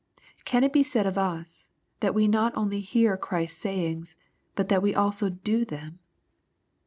Can it be said of us, that we not only hear Christ's sayings, but that we also do them